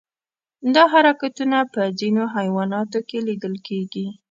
دا حرکتونه په ځینو حیواناتو کې لیدل کېږي.